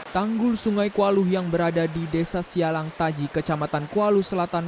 tanggul sungai kualuh yang berada di desa sialang taji kecamatan kualu selatan